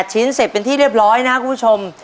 ชิ้นเสร็จเป็นที่เรียบร้อยนะครับคุณผู้ชม